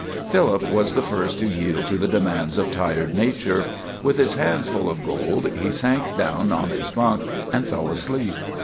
Philip was the first to yield to the demands of tired nature. With his hands full of gold, he sank down on his bunk and fell asleep.